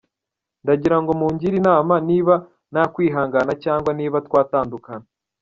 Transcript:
Ndagirango mungire Inama niba nakwihangana cyangwa niba twatandukana.